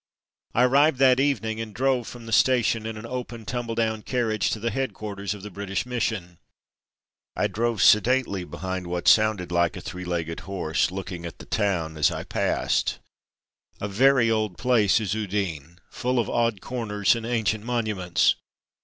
I arrived that evening, and drove from the station in an open, tumble down carriage to the headquarters of the British Mission. I drove sedately along behind what sounded like a three legged horse, looking at the town as I passed. A very old place is Udine, full of odd corners and ancient monuments.